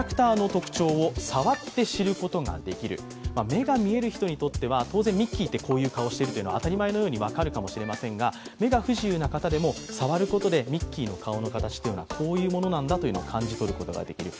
目が見える人にとっては当然、ミッキーってこういう顔をしているって当たり前のように分かるかもしれませんが目が不自由な方でも触ることでミッキーの顔の形はこういうものだと感じ取ることの出来る。